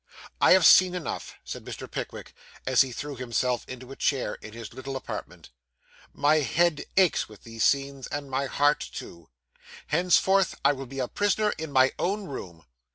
'I have seen enough,' said Mr. Pickwick, as he threw himself into a chair in his little apartment. 'My head aches with these scenes, and my heart too. Henceforth I will be a prisoner in my own room.